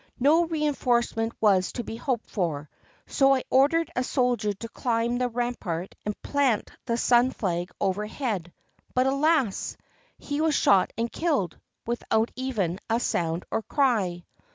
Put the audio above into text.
No reinforcement was to be hoped for, so I ordered a soldier to climb the rampart and plant the sim flag overhead, but alas! he was shot and killed, without even a soimd or cry.